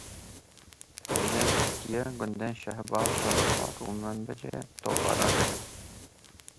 Hêzên Tirkiye gundên Şehba, Til Rifat û Minbicê topbaran kirin.